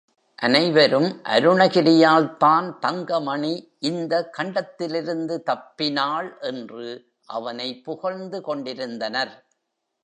அனைவரும், அருணகிரியால்தான் தங்க மணி இந்த கண்டத்திலிருந்து தப்பினாள், என்று அவனை புகழ்ந்து கொண்டிருந்தனர்.